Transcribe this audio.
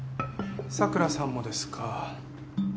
佐倉さんもですか。